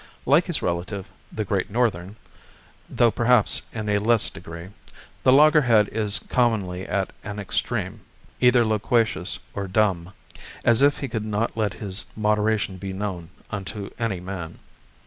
Like his relative the "great northern," though perhaps in a less degree, the loggerhead is commonly at an extreme, either loquacious or dumb; as if he could not let his moderation be known unto any man.